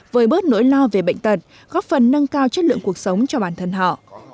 với bớt nỗi lo về bệnh tật góp phần nâng cao chất lượng cuộc sống cho bản thân họ